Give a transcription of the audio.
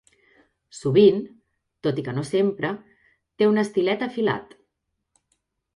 Sovint, tot i que no sempre, té un estilet afilat.